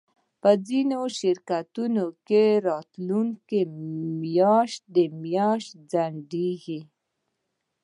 په ځینو شرکتونو کې راتلونکی میاشتې میاشتې ځنډیږي